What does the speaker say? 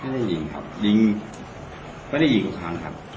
ไม่ได้ยิงครับยิงไม่ได้ยิงทุกครั้งครับ